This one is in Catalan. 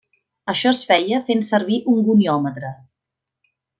Això es feia fent servir un goniòmetre.